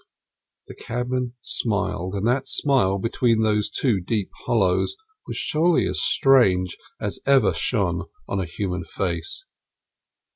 The cabman smiled; and that smile between those two deep hollows was surely as strange as ever shone on a human face.